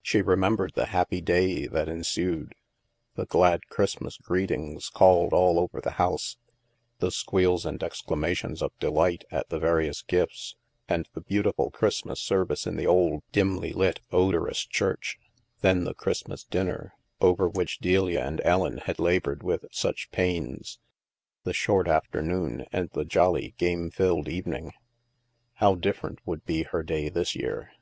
She remem bered the happy day that ensued : the glad Christmas greetings called all over the house, the squeals and exclamations of delight at the various gifts, and the beautiful Christmas service in the old, dimly lit odorous church; then the Christmas dinner, over i62 THE MASK which Delia and Ellen had labored with such pains ; the short afternoon; and the jolly game filled even ing! How different would be her day this year